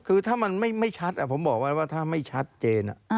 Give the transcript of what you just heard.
คือถ้ามันไม่ชัดผมบอกไว้ว่าถ้าไม่ชัดเจน